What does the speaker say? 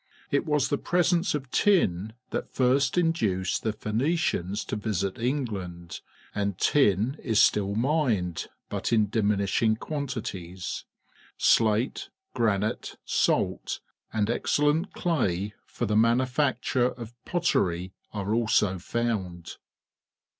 It was the presence of tin that first induced the Phoenicians to ^^sit England, and tin is still mined, but in diminishing quantities. Slate, granite, salt, and excellent clay for the manufacture of pottery are also foimd.